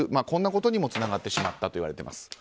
こんなことにもつながってしまったといわれています。